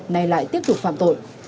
nay lại tiếp tục phạm tội